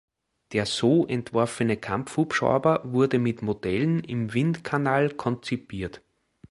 Der so entworfene Kampfhubschrauber wurde mit Modellen im Windkanal konzipiert.